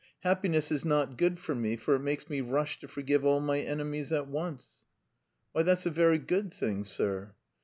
Happiness is not good for me for it makes me rush to forgive all my enemies at once...." "Why, that's a very good thing, sir."